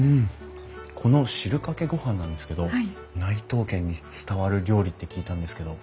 この汁かけ御飯なんですけど内藤家に伝わる料理って聞いたんですけど。